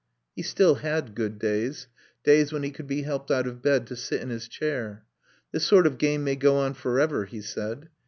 He still had good days, days when he could be helped out of bed to sit in his chair. "This sort of game may go on for ever," he said.